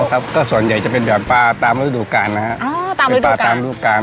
ครับก็ส่วนใหญ่จะเป็นแบบปลาตามฤดูกาลนะฮะอ๋อตามเป็นปลาตามรูปการณ